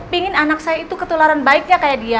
pingin anak saya itu ketularan baiknya kayak dia